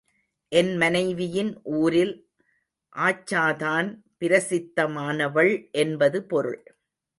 என் மனைவியின் ஊரில் ஆச்சாதான் பிரசித்தமானவள் என்பது பொருள்.